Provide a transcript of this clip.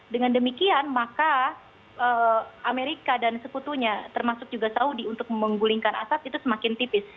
dengan demikian maka amerika dan sekutunya termasuk juga saudi untuk menggulingkan asap itu semakin tipis